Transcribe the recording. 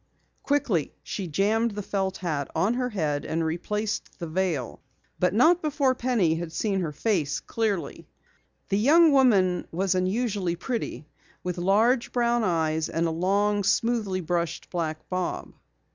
Quickly she jammed the felt hat on her head and replaced the veil, but not before Penny had seen her face clearly. The young woman was unusually pretty with large brown eyes and a long, smoothly brushed black bob.